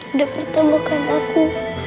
udah pertemukan aku